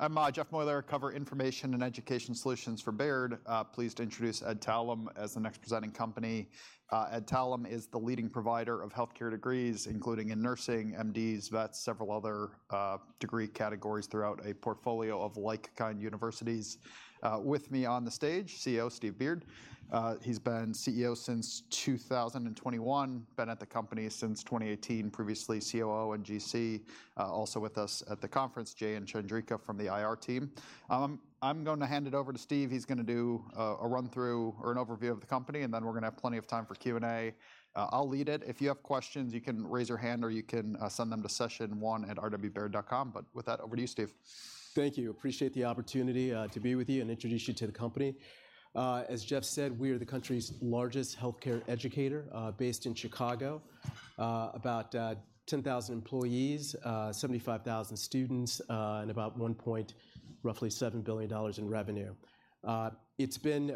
I'm Jeff Meuler, I cover information and education solutions for Baird. Pleased to introduce Adtalem as the next presenting company. Adtalem is the leading provider of healthcare degrees, including in nursing, MDs, vets, several other degree categories throughout a portfolio of like-kind universities. With me on the stage, CEO Steve Beard. He's been CEO since 2021, been at the company since 2018, previously COO and GC. Also with us at the conference, Jay and Chandrika from the IR team. I'm going to hand it over to Steve. He's gonna do a run-through or an overview of the company, and then we're gonna have plenty of time for Q&A. I'll lead it. If you have questions, you can raise your hand, or you can send them to session1@rwbaird.com. But with that, over to you, Steve. Thank you. Appreciate the opportunity to be with you and introduce you to the company. As Jeff said, we are the country's largest healthcare educator, based in Chicago. About 10,000 employees, 75,000 students, and about $1.7 billion in revenue. It's been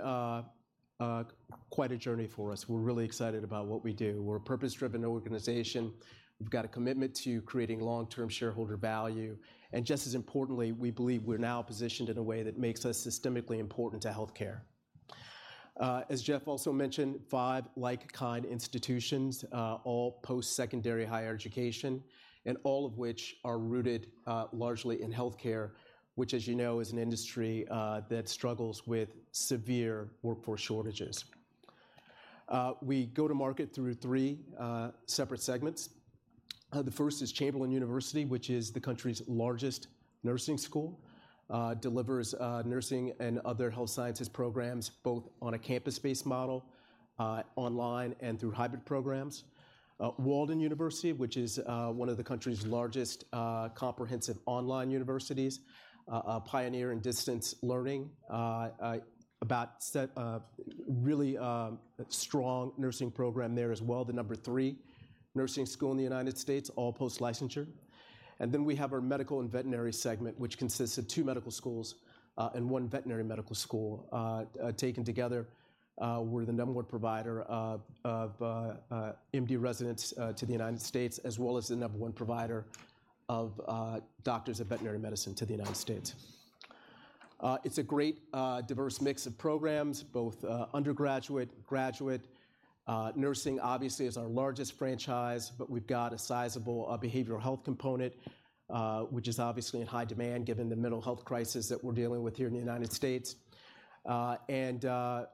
quite a journey for us. We're really excited about what we do. We're a purpose-driven organization. We've got a commitment to creating long-term shareholder value, and just as importantly, we believe we're now positioned in a way that makes us systemically important to healthcare. As Jeff also mentioned, five like-kind institutions, all post-secondary higher education, and all of which are rooted largely in healthcare, which, as you know, is an industry that struggles with severe workforce shortages. We go to market through three separate segments. The first is Chamberlain University, which is the country's largest nursing school. Delivers nursing and other health sciences programs, both on a campus-based model, online and through hybrid programs. Walden University, which is one of the country's largest comprehensive online universities, a pioneer in distance learning. Really, a strong nursing program there as well, the number three nursing school in the United States, all post-licensure. And then we have our medical and veterinary segment, which consists of two medical schools and one veterinary medical school. Taken together, we're the number one provider of MD residents to the United States, as well as the number one provider of doctors of veterinary medicine to the United States. It's a great, diverse mix of programs, both undergraduate, graduate. Nursing, obviously, is our largest franchise, but we've got a sizable behavioral health component, which is obviously in high demand given the mental health crisis that we're dealing with here in the United States. And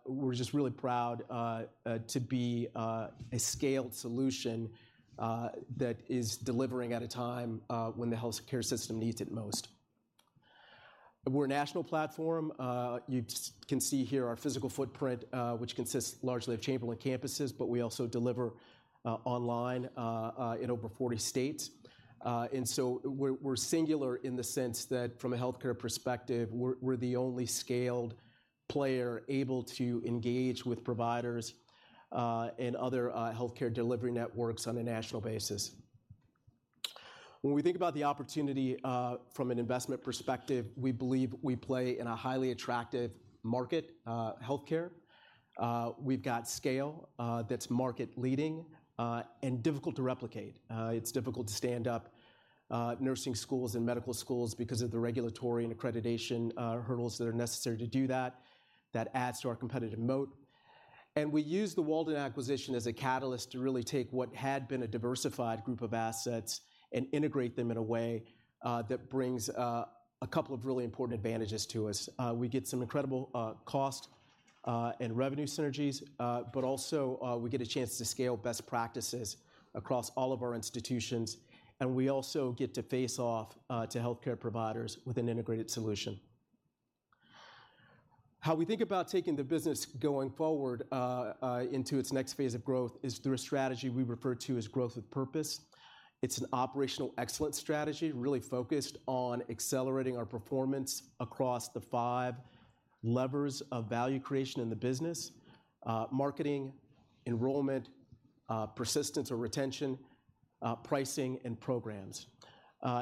we're just really proud to be a scaled solution that is delivering at a time when the healthcare system needs it most. We're a national platform. You just can see here our physical footprint, which consists largely of Chamberlain campuses, but we also deliver online in over 40 states. And so we're singular in the sense that from a healthcare perspective, we're the only scaled player able to engage with providers and other healthcare delivery networks on a national basis. When we think about the opportunity, from an investment perspective, we believe we play in a highly attractive market, healthcare. We've got scale that's market-leading and difficult to replicate. It's difficult to stand up nursing schools and medical schools because of the regulatory and accreditation hurdles that are necessary to do that. That adds to our competitive moat. We use the Walden acquisition as a catalyst to really take what had been a diversified group of assets and integrate them in a way that brings a couple of really important advantages to us. We get some incredible cost and revenue synergies, but also, we get a chance to scale best practices across all of our institutions, and we also get to face off to healthcare providers with an integrated solution. How we think about taking the business going forward into its next phase of growth is through a strategy we refer to as Growth with Purpose. It's an operational excellence strategy, really focused on accelerating our performance across the five levers of value creation in the business: marketing, enrollment, persistence or retention, pricing, and programs.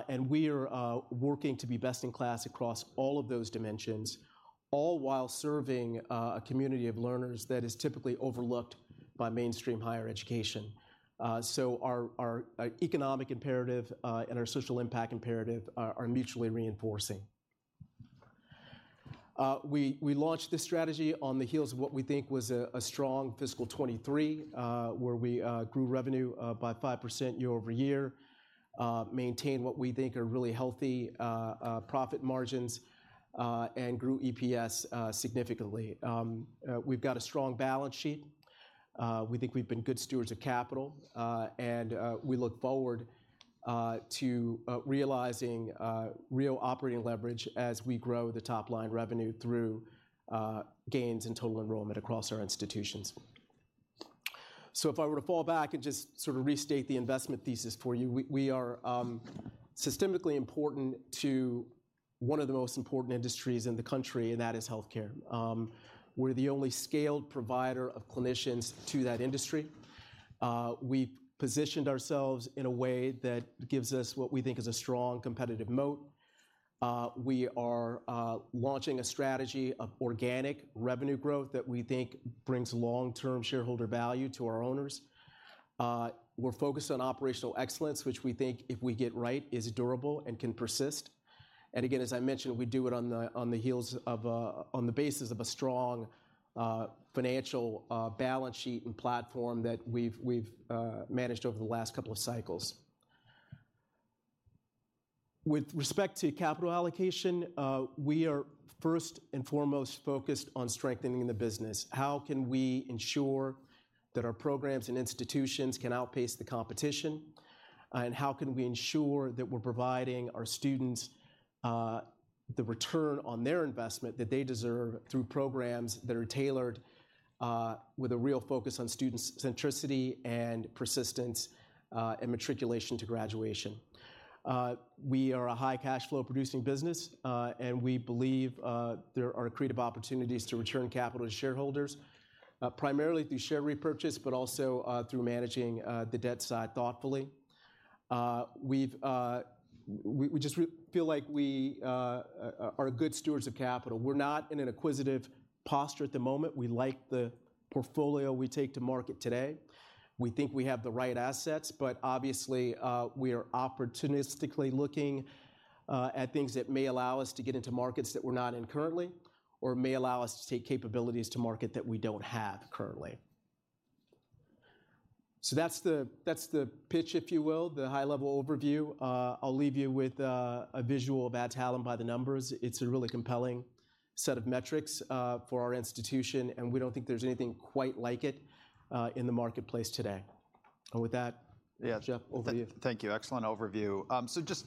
And we are working to be best in class across all of those dimensions, all while serving a community of learners that is typically overlooked by mainstream higher education. So our economic imperative and our social impact imperative are mutually reinforcing. We launched this strategy on the heels of what we think was a strong fiscal 2023, where we grew revenue by 5% year-over-year, maintained what we think are really healthy profit margins, and grew EPS significantly. We've got a strong balance sheet. We think we've been good stewards of capital, and we look forward to realizing real operating leverage as we grow the top-line revenue through gains in total enrollment across our institutions. So if I were to fall back and just sort of restate the investment thesis for you, we are systemically important to one of the most important industries in the country, and that is healthcare. We're the only scaled provider of clinicians to that industry. We've positioned ourselves in a way that gives us what we think is a strong competitive moat. We are launching a strategy of organic revenue growth that we think brings long-term shareholder value to our owners. We're focused on operational excellence, which we think, if we get right, is durable and can persist. And again, as I mentioned, we do it on the heels of on the basis of a strong financial balance sheet and platform that we've managed over the last couple of cycles. With respect to capital allocation, we are first and foremost focused on strengthening the business. How can we ensure that our programs and institutions can outpace the competition? And how can we ensure that we're providing our students, the return on their investment that they deserve through programs that are tailored, with a real focus on student centricity and persistence, and matriculation to graduation? We are a high cash flow producing business, and we believe, there are accretive opportunities to return capital to shareholders, primarily through share repurchase, but also, through managing, the debt side thoughtfully. We just feel like we are good stewards of capital. We're not in an acquisitive posture at the moment. We like the portfolio we take to market today. We think we have the right assets, but obviously, we are opportunistically looking at things that may allow us to get into markets that we're not in currently or may allow us to take capabilities to market that we don't have currently. So that's the, that's the pitch, if you will, the high-level overview. I'll leave you with a visual of Adtalem by the numbers. It's a really compelling set of metrics for our institution, and we don't think there's anything quite like it in the marketplace today. And with that, yeah, Jeff, over to you. Thank you. Excellent overview. So just,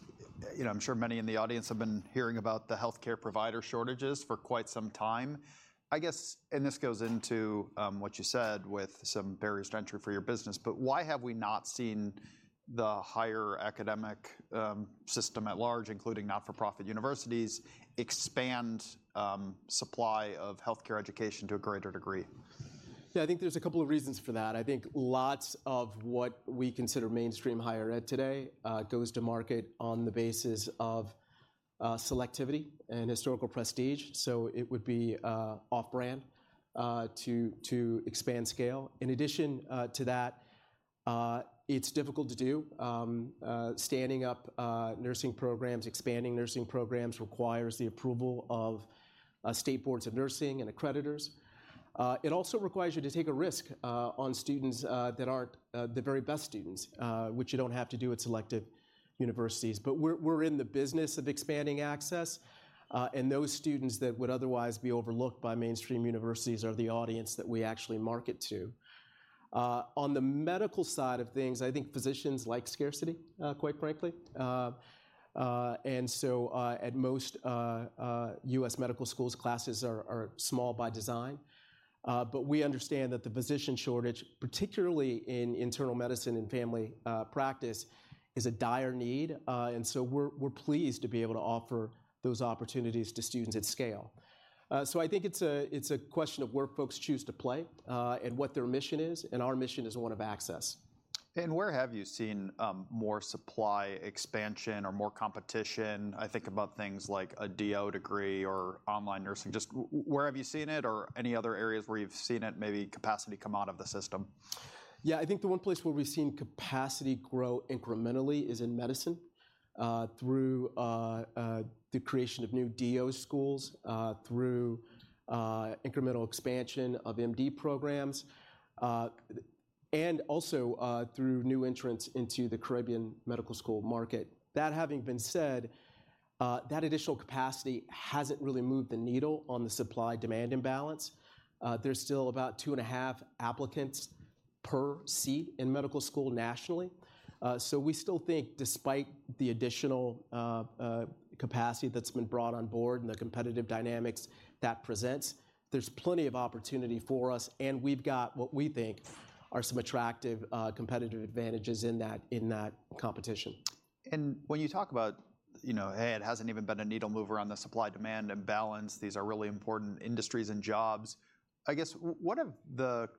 you know, I'm sure many in the audience have been hearing about the healthcare provider shortages for quite some time. I guess, and this goes into what you said with some barriers to entry for your business, but why have we not seen the higher academic system at large, including not-for-profit universities, expand supply of healthcare education to a greater degree? Yeah, I think there's a couple of reasons for that. I think lots of what we consider mainstream higher ed today goes to market on the basis of selectivity and historical prestige, so it would be off-brand to expand scale. In addition to that, it's difficult to do. Standing up nursing programs, expanding nursing programs requires the approval of state boards of nursing and accreditors. It also requires you to take a risk on students that aren't the very best students, which you don't have to do at selected universities. But we're in the business of expanding access, and those students that would otherwise be overlooked by mainstream universities are the audience that we actually market to. On the medical side of things, I think physicians like scarcity quite frankly. And so, at most U.S. medical schools, classes are small by design. But we understand that the physician shortage, particularly in internal medicine and family practice, is a dire need. And so we're pleased to be able to offer those opportunities to students at scale. So I think it's a question of where folks choose to play, and what their mission is, and our mission is one of access. Where have you seen more supply expansion or more competition? I think about things like a DO degree or online nursing. Just where have you seen it or any other areas where you've seen it, maybe capacity come out of the system? Yeah, I think the one place where we've seen capacity grow incrementally is in medicine, through the creation of new DO schools, through incremental expansion of MD programs, and also through new entrants into the Caribbean medical school market. That having been said, that additional capacity hasn't really moved the needle on the supply-demand imbalance. There's still about two and a half applicants per seat in medical school nationally. So we still think despite the additional capacity that's been brought on board and the competitive dynamics that presents, there's plenty of opportunity for us, and we've got what we think are some attractive competitive advantages in that, in that competition. When you talk about, you know, "Hey, it hasn't even been a needle mover on the supply-demand imbalance, these are really important industries and jobs," I guess what have the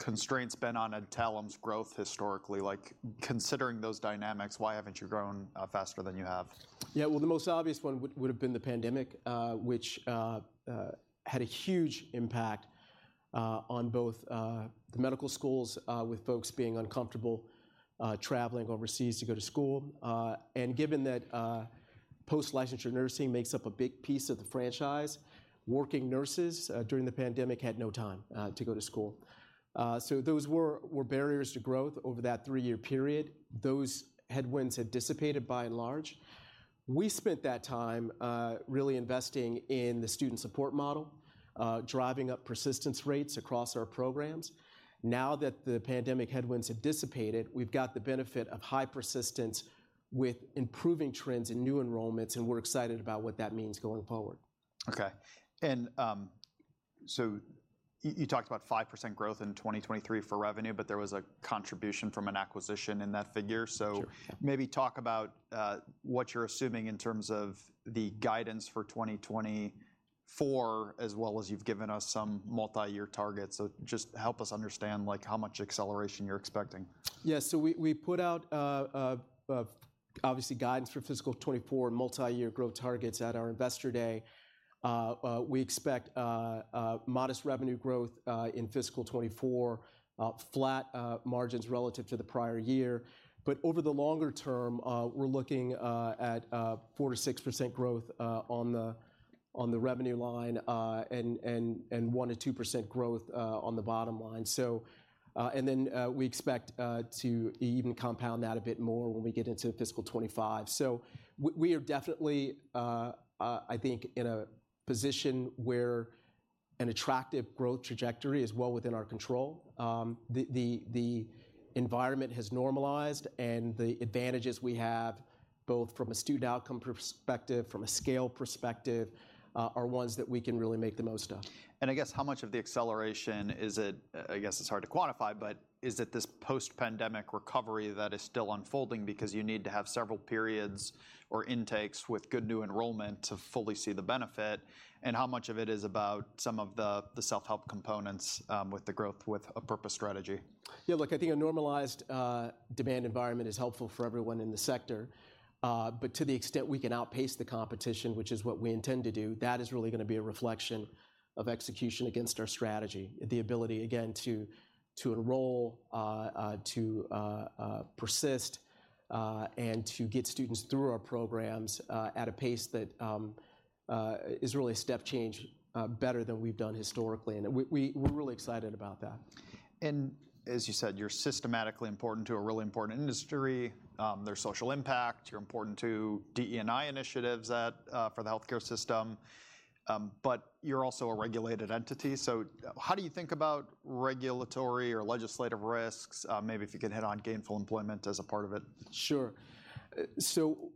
constraints been on Adtalem's growth historically? Like, considering those dynamics, why haven't you grown faster than you have? Yeah, well, the most obvious one would have been the pandemic, which had a huge impact on both the medical schools with folks being uncomfortable traveling overseas to go to school. And given that post-licensure nursing makes up a big piece of the franchise, working nurses during the pandemic had no time to go to school. So those were barriers to growth over that three-year period. Those headwinds had dissipated by and large. We spent that time really investing in the student support model, driving up persistence rates across our programs. Now that the pandemic headwinds have dissipated, we've got the benefit of high persistence with improving trends in new enrollments, and we're excited about what that means going forward. You talked about 5% growth in 2023 for revenue, but there was a contribution from an acquisition in that figure. Sure. Maybe talk about what you're assuming in terms of the guidance for 2024, as well as you've given us some multi-year targets. So just help us understand, like, how much acceleration you're expecting. Yeah, so we put out obviously guidance for fiscal 2024 multi-year growth targets at our Investor Day. We expect modest revenue growth in fiscal 2024, flat margins relative to the prior year. But over the longer term, we're looking at 4%-6% growth on the revenue line, and 1%-2% growth on the bottom line. So, we expect to even compound that a bit more when we get into fiscal 2025. So we are definitely, I think, in a position where an attractive growth trajectory is well within our control. The environment has normalized, and the advantages we have, both from a student outcome perspective, from a scale perspective, are ones that we can really make the most of. I guess how much of the acceleration is it. I guess it's hard to quantify, but is it this post-pandemic recovery that is still unfolding? Because you need to have several periods or intakes with good new enrollment to fully see the benefit. How much of it is about some of the self-help components, with the growth, with a purpose strategy? Yeah, look, I think a normalized demand environment is helpful for everyone in the sector. But to the extent we can outpace the competition, which is what we intend to do, that is really gonna be a reflection of execution against our strategy. The ability, again, to enroll, to persist, and to get students through our programs at a pace that is really a step change better than we've done historically. And we're really excited about that. And as you said, you're systematically important to a really important industry. There's social impact. You're important to DE&I initiatives at, for the healthcare system, but you're also a regulated entity. So how do you think about regulatory or legislative risks? Maybe if you could hit on gainful employment as a part of it. Sure. So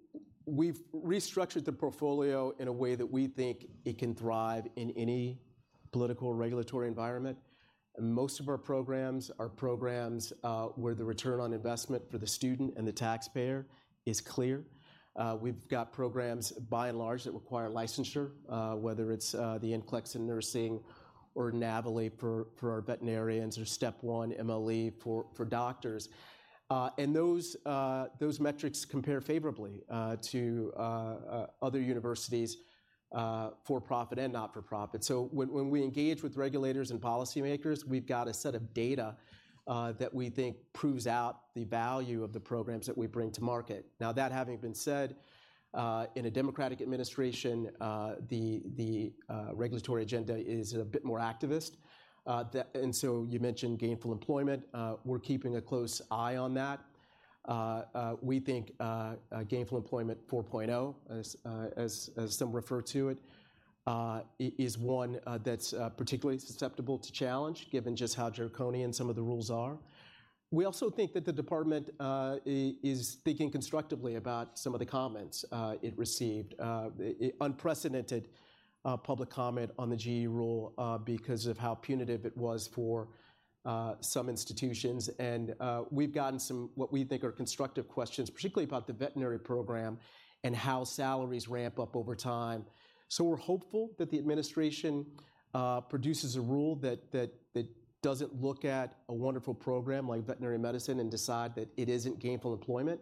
we've restructured the portfolio in a way that we think it can thrive in any political regulatory environment. Most of our programs are programs where the return on investment for the student and the taxpayer is clear. We've got programs, by and large, that require licensure, whether it's the NCLEX in nursing or NAVLE for our veterinarians, or Step 1 MLE for doctors. And those metrics compare favorably to other universities, for-profit and not-for-profit. So when we engage with regulators and policymakers, we've got a set of data that we think proves out the value of the programs that we bring to market. Now, that having been said, in a Democratic administration, the regulatory agenda is a bit more activist. That and so you mentioned gainful employment. We're keeping a close eye on that. We think Gainful Employment 4.0, as some refer to it, is one that's particularly susceptible to challenge, given just how draconian some of the rules are. We also think that the department is thinking constructively about some of the comments it received, unprecedented public comment on the GE rule, because of how punitive it was for some institutions, and we've gotten some, what we think are constructive questions, particularly about the veterinary program and how salaries ramp up over time. So we're hopeful that the administration produces a rule that doesn't look at a wonderful program like veterinary medicine and decide that it isn't Gainful Employment.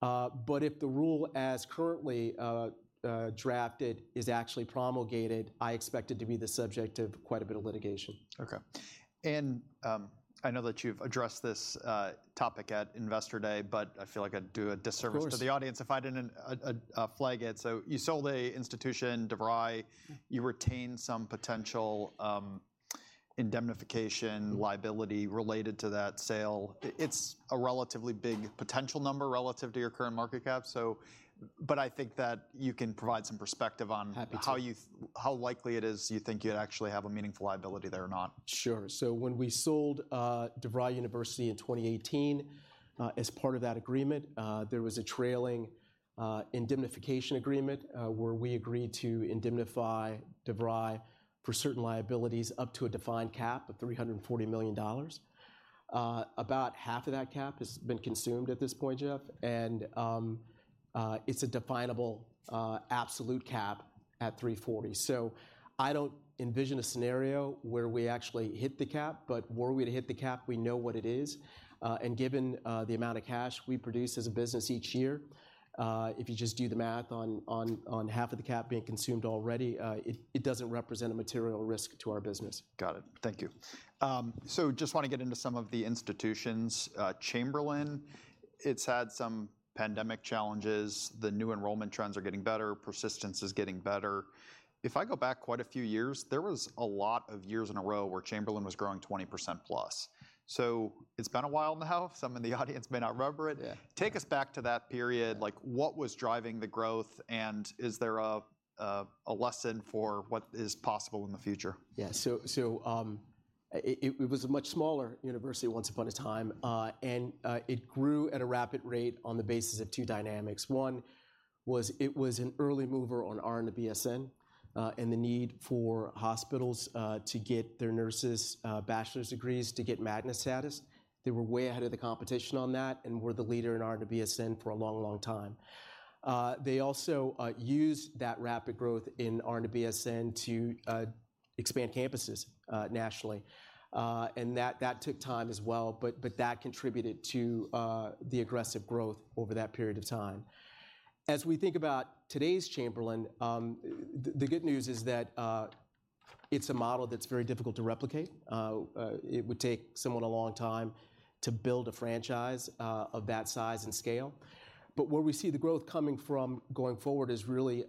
But if the rule as currently drafted is actually promulgated, I expect it to be the subject of quite a bit of litigation. Okay. And, I know that you've addressed this topic at Investor Day, but I feel like I'd do a disservice- Of course... to the audience if I didn't flag it. So you sold an institution, DeVry. You retained some potential indemnification liability related to that sale. It's a relatively big potential number relative to your current market cap, so... But I think that you can provide some perspective on- Happy to... how likely it is you think you'd actually have a meaningful liability there or not? Sure. So when we sold DeVry University in 2018, as part of that agreement, there was a trailing indemnification agreement, where we agreed to indemnify DeVry for certain liabilities up to a defined cap of $340 million. About half of that cap has been consumed at this point, Jeff, and it's a definable absolute cap at $340 million. So I don't envision a scenario where we actually hit the cap, but were we to hit the cap, we know what it is. And given the amount of cash we produce as a business each year, if you just do the math on half of the cap being consumed already, it doesn't represent a material risk to our business. Got it. Thank you. So just wanna get into some of the institutions. Chamberlain, it's had some pandemic challenges. The new enrollment trends are getting better. Persistence is getting better. If I go back quite a few years, there was a lot of years in a row where Chamberlain was growing 20% plus. So it's been a while now. Some in the audience may not remember it. Yeah. Take us back to that period. Like, what was driving the growth, and is there a lesson for what is possible in the future? Yeah. So, it was a much smaller university once upon a time, and it grew at a rapid rate on the basis of two dynamics. One was it was an early mover on RN-to-BSN, and the need for hospitals to get their nurses' bachelor's degrees to get magnet status. They were way ahead of the competition on that and were the leader in RN-to-BSN for a long, long time.... They also used that rapid growth in RN-to-BSN to expand campuses nationally. And that took time as well, but that contributed to the aggressive growth over that period of time. As we think about today's Chamberlain, the good news is that it's a model that's very difficult to replicate. It would take someone a long time to build a franchise of that size and scale. But where we see the growth coming from going forward is really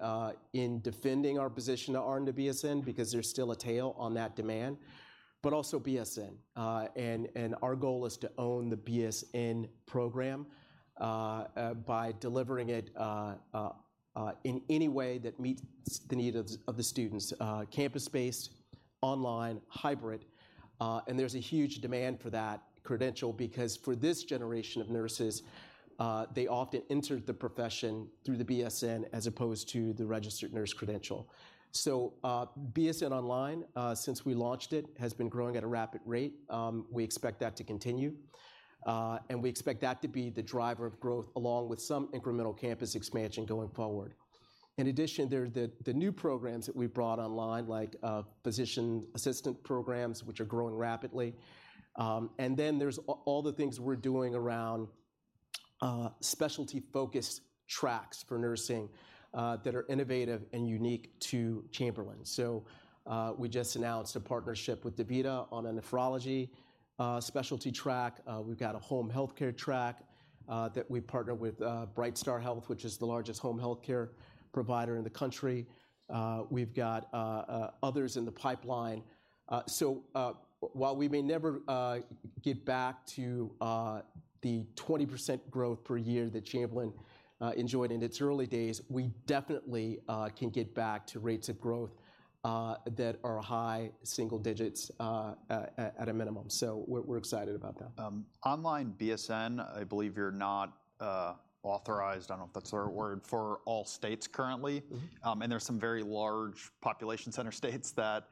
in defending our position to RN-to-BSN, because there's still a tail on that demand, but also BSN. And our goal is to own the BSN program in any way that meets the needs of the students: campus-based, online, hybrid. And there's a huge demand for that credential because for this generation of nurses, they often entered the profession through the BSN as opposed to the registered nurse credential. So, BSN online, since we launched it, has been growing at a rapid rate. We expect that to continue, and we expect that to be the driver of growth, along with some incremental campus expansion going forward. In addition, there are the new programs that we brought online, like physician assistant programs, which are growing rapidly. And then there's all the things we're doing around specialty-focused tracks for nursing that are innovative and unique to Chamberlain. So, we just announced a partnership with DaVita on a nephrology specialty track. We've got a home healthcare track that we partner with BrightStar Health, which is the largest home healthcare provider in the country. We've got others in the pipeline. So, while we may never get back to the 20% growth per year that Chamberlain enjoyed in its early days, we definitely can get back to rates of growth that are high single digits at a minimum. So we're excited about that. Online BSN, I believe you're not authorized. I don't know if that's the right word for all states currently. Mm-hmm. There are some very large population center states that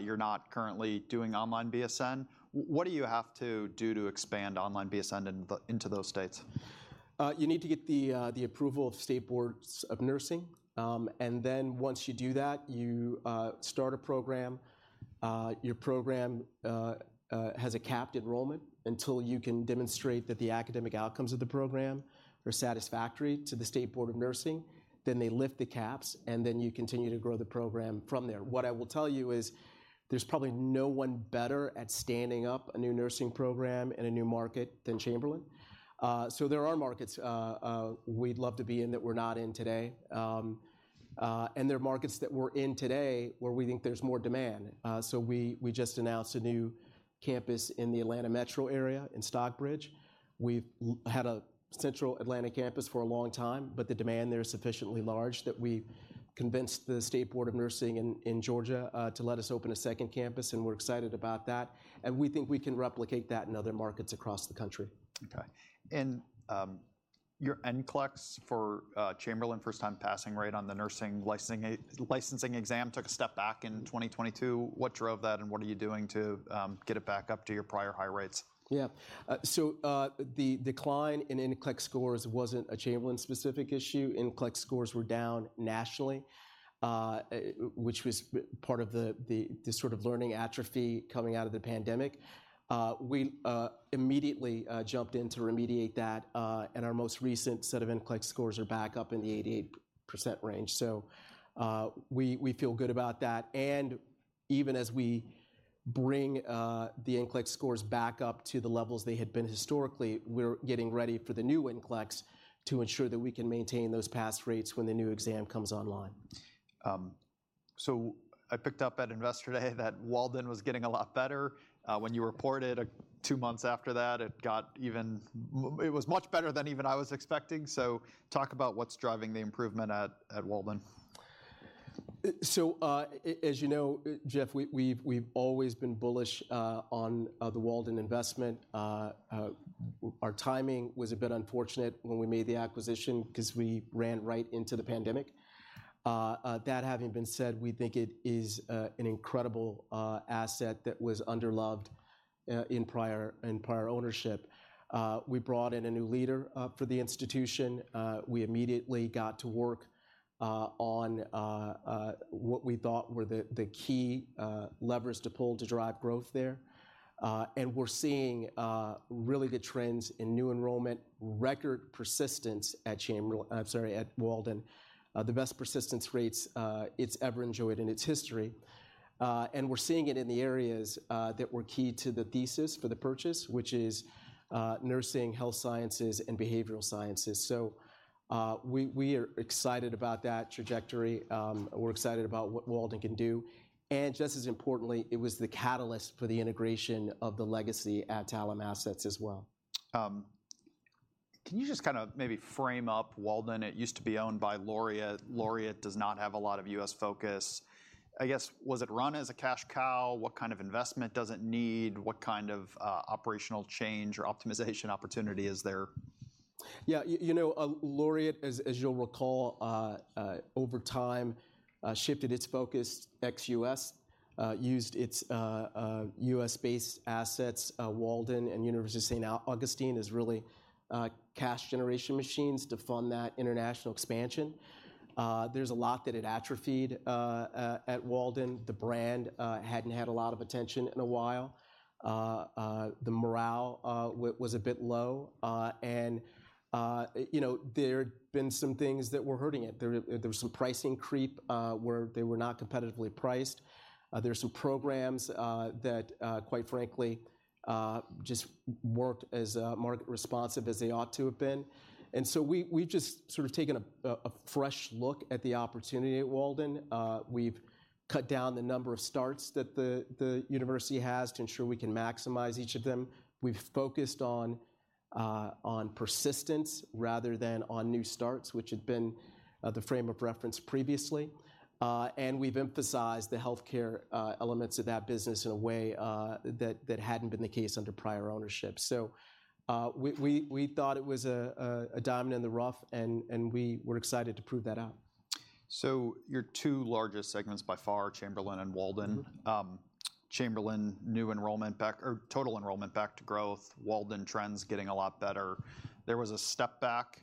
you're not currently doing online BSN. What do you have to do to expand online BSN into the, into those states? You need to get the approval of state boards of nursing. And then once you do that, you start a program. Your program has a capped enrollment until you can demonstrate that the academic outcomes of the program are satisfactory to the state board of nursing. Then they lift the caps, and then you continue to grow the program from there. What I will tell you is there's probably no one better at standing up a new nursing program in a new market than Chamberlain. So there are markets we'd love to be in that we're not in today. And there are markets that we're in today where we think there's more demand. So we just announced a new campus in the Atlanta metro area in Stockbridge. We've had a central Atlanta campus for a long time, but the demand there is sufficiently large that we convinced the State Board of Nursing in Georgia to let us open a second campus, and we're excited about that, and we think we can replicate that in other markets across the country. Okay. And, your NCLEX for Chamberlain, first time passing rate on the nursing licensing exam took a step back in 2022. What drove that, and what are you doing to get it back up to your prior high rates? Yeah. So, the decline in NCLEX scores wasn't a Chamberlain-specific issue. NCLEX scores were down nationally, which was part of the sort of learning atrophy coming out of the pandemic. We immediately jumped in to remediate that, and our most recent set of NCLEX scores are back up in the 88% range. So, we feel good about that. And even as we bring the NCLEX scores back up to the levels they had been historically, we're getting ready for the new NCLEX to ensure that we can maintain those pass rates when the new exam comes online. So I picked up at Investor Day that Walden was getting a lot better. When you reported two months after that, it was much better than even I was expecting. So talk about what's driving the improvement at Walden. So, as you know, Jeff, we've always been bullish on the Walden investment. Our timing was a bit unfortunate when we made the acquisition 'cause we ran right into the pandemic. That having been said, we think it is an incredible asset that was underloved in prior ownership. We brought in a new leader for the institution. We immediately got to work on what we thought were the key levers to pull to drive growth there. And we're seeing really good trends in new enrollment, record persistence at Chamberlain... I'm sorry, at Walden. The best persistence rates it's ever enjoyed in its history. And we're seeing it in the areas that were key to the thesis for the purchase, which is nursing, health sciences, and behavioral sciences. So, we, we are excited about that trajectory. We're excited about what Walden can do, and just as importantly, it was the catalyst for the integration of the legacy Adtalem assets as well. Can you just kind of maybe frame up Walden? It used to be owned by Laureate. Laureate does not have a lot of U.S. focus. I guess, was it run as a cash cow? What kind of investment does it need? What kind of operational change or optimization opportunity is there? Yeah, you know, Laureate, as you'll recall, over time, shifted its focus ex-U.S.. Used its U.S.-based assets, Walden and University of St. Augustine, as really cash generation machines to fund that international expansion. There's a lot that had atrophied at Walden. The brand hadn't had a lot of attention in a while. The morale was a bit low. And you know, there had been some things that were hurting it. There was some pricing creep where they were not competitively priced. There were some programs that quite frankly just weren't as market responsive as they ought to have been. And so we've just sort of taken a fresh look at the opportunity at Walden. We've cut down the number of starts that the university has to ensure we can maximize each of them. We've focused on persistence rather than on new starts, which had been the frame of reference previously. And we've emphasized the healthcare elements of that business in a way that hadn't been the case under prior ownership. So, we thought it was a diamond in the rough, and we were excited to prove that out. So your two largest segments by far are Chamberlain and Walden. Mm-hmm. Chamberlain, new enrollment back-- or total enrollment back to growth, Walden trends getting a lot better. There was a step back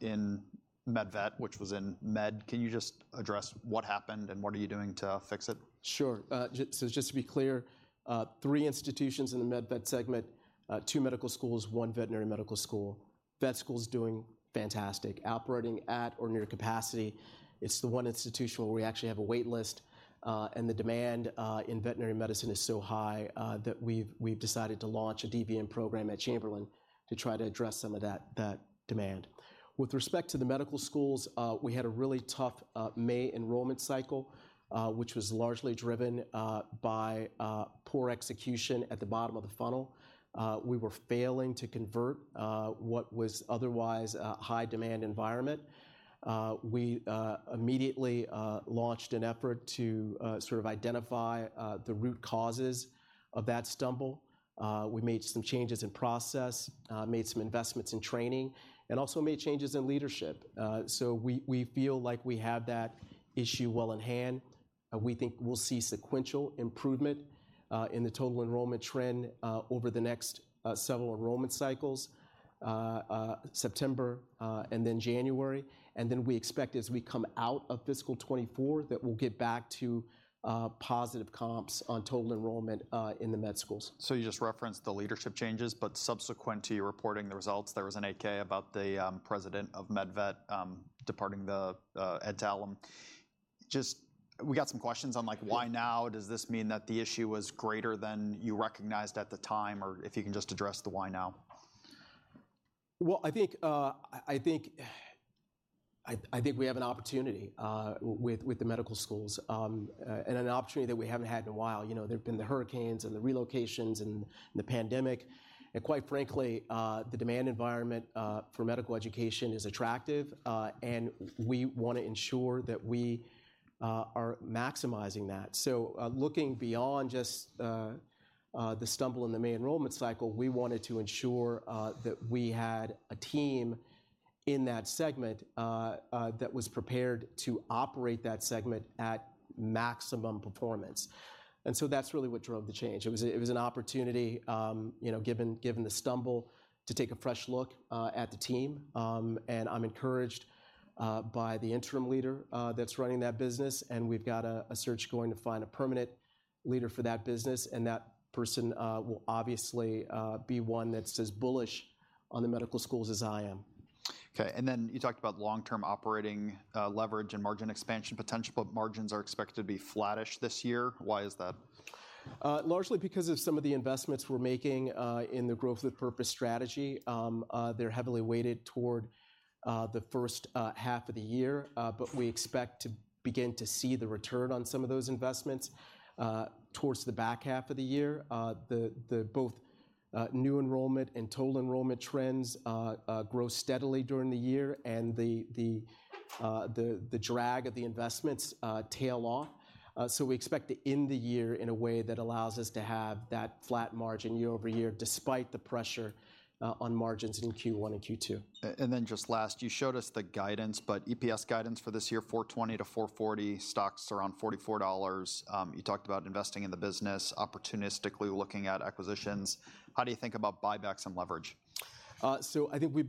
in Med/Vet, which was in med. Can you just address what happened, and what are you doing to fix it? Sure. So just to be clear, three institutions in the Med/Vet segment, two medical schools, one veterinary medical school. Vet school is doing fantastic, operating at or near capacity. It's the one institution where we actually have a wait list, and the demand in veterinary medicine is so high that we've decided to launch a DVM program at Chamberlain to try to address some of that demand. With respect to the medical schools, we had a really tough May enrollment cycle, which was largely driven by poor execution at the bottom of the funnel. We were failing to convert what was otherwise a high-demand environment. We immediately launched an effort to sort of identify the root causes of that stumble. We made some changes in process, made some investments in training, and also made changes in leadership. So we, we feel like we have that issue well in hand. We think we'll see sequential improvement in the total enrollment trend over the next several enrollment cycles, September, and then January. And then we expect, as we come out of fiscal 2024, that we'll get back to positive comps on total enrollment in the med schools. So you just referenced the leadership changes, but subsequent to you reporting the results, there was an 8-K about the president of Med/Vet departing Adtalem. Just... We got some questions on, like, why now? Does this mean that the issue was greater than you recognized at the time? Or if you can just address the why now. Well, I think we have an opportunity with the medical schools and an opportunity that we haven't had in a while. You know, there've been the hurricanes and the relocations and the pandemic, and quite frankly, the demand environment for medical education is attractive, and we want to ensure that we are maximizing that. So, looking beyond just the stumble in the May enrollment cycle, we wanted to ensure that we had a team in that segment that was prepared to operate that segment at maximum performance, and so that's really what drove the change. It was an opportunity, you know, given the stumble, to take a fresh look at the team. I'm encouraged by the interim leader that's running that business, and we've got a search going to find a permanent leader for that business, and that person will obviously be one that's as bullish on the medical schools as I am. Okay, and then you talked about long-term operating leverage and margin expansion potential, but margins are expected to be flattish this year. Why is that? Largely because of some of the investments we're making in the Growth with Purpose strategy. They're heavily weighted toward the first half of the year, but we expect to begin to see the return on some of those investments towards the back half of the year. Both new enrollment and total enrollment trends grow steadily during the year, and the drag of the investments tail off. So we expect to end the year in a way that allows us to have that flat margin year-over-year, despite the pressure on margins in Q1 and Q2. And then just last, you showed us the guidance, but EPS guidance for this year, $4.20-$4.40. Stock's around $44. You talked about investing in the business, opportunistically looking at acquisitions. How do you think about buybacks and leverage? So I think we've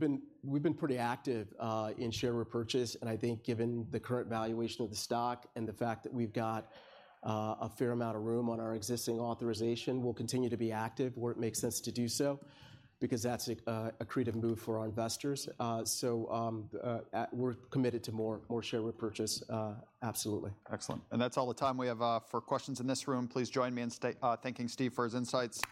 been pretty active in share repurchase, and I think given the current valuation of the stock and the fact that we've got a fair amount of room on our existing authorization, we'll continue to be active where it makes sense to do so because that's accretive move for our investors. So we're committed to more share repurchase, absolutely. Excellent. That's all the time we have for questions in this room. Please join me in thanking Steve for his insights.